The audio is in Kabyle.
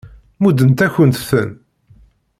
Muddent-akent-ten.